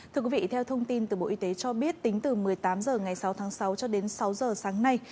thưa quý vị theo thông tin từ bộ y tế cho biết tính từ một mươi tám h ngày sáu tháng sáu cho đến sáu h sáng nay